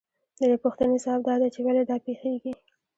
د دې پوښتنې ځواب دا دی چې ولې دا پېښېږي